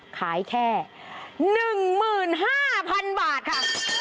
ขายแค่๑๕๐๐๐บาทค่ะ